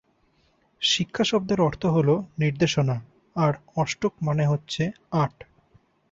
শিক্ষা শব্দের অর্থ হলো 'নির্দেশনা’ আর অষ্টক মানে হচ্ছে 'আট'।